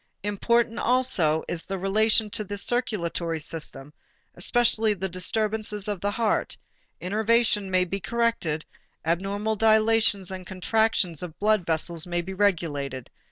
Important also is the relation to the circulatory system, especially the disturbances of the heart: innervation may be corrected, abnormal dilations and contractions of blood vessels may be regulated.